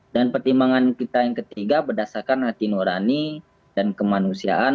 dan pertimbangan kita yang ketiga berdasarkan hati nurani dan kemanusiaan